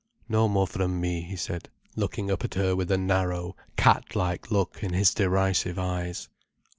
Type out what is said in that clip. "No more from me," he said, looking up at her with a narrow, cat like look in his derisive eyes.